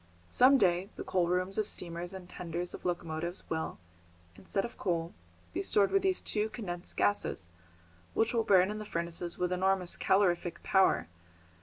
Some day the coal rooms of steamers and the tenders of locomotives will, instead of coal, be stored with these two condensed gases, which will burn in the furnaces with enormous calorific power.